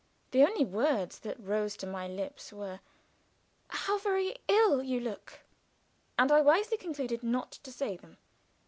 The only words that rose to my lips were, "How very ill you look!" and I wisely concluded not to say them.